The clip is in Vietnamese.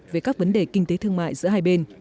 về các vấn đề kinh tế thương mại giữa hai bên